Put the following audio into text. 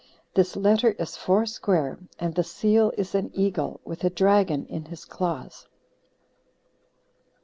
This letter is four square; and the seal is an eagle, with a dragon in his claws."